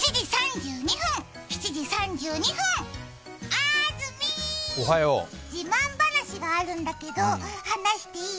あーずみー、自慢話があるんだけど話していい？